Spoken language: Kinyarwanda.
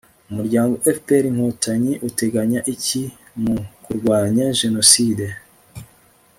umuryango fpr-inkotanyi uteganya iki mu kurwanya jenoside